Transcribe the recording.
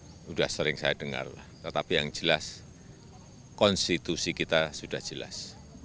sudah sering saya dengar tetapi yang jelas konstitusi kita sudah jelas